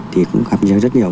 thì cũng gặp nhiều rất nhiều